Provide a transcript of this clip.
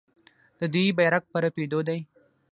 د دوی بیرغ په رپیدو دی.